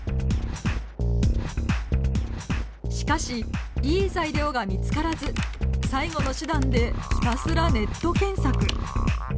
しかしいい材料が見つからず最後の手段でひたすらネット検索。